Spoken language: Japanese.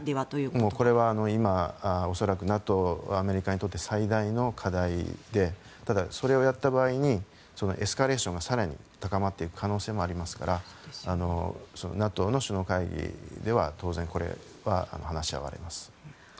それは今、恐らくＮＡＴＯやアメリカにとって最大の課題でただ、それをやった場合にエスカレーションが更に高まっていく可能性もありますからＮＡＴＯの首脳会議では当然、これは話し合われます。